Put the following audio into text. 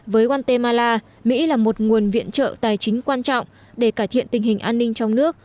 với guatemala mỹ là một nguồn viện trợ tài chính quan trọng để cải thiện tình hình an ninh trong nước